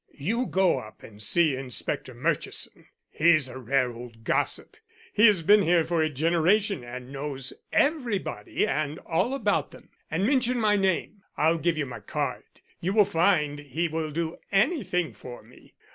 "You go up and see Inspector Murchison. He's a rare old gossip. He has been here for a generation and knows everybody and all about them. And mention my name I'll give you my card. You will find he will do anything for me.